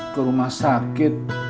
ke rumah sakit